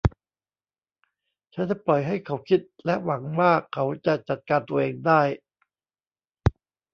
ฉันจะปล่อยให้เขาคิดและหวังว่าเขาจะจัดการตัวเองได้